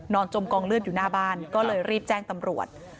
จมกองเลือดอยู่หน้าบ้านก็เลยรีบแจ้งตำรวจ